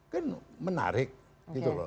kan menarik gitu loh